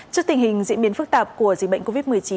trước tình hình diễn biến phức tạp của dịch bệnh covid một mươi chín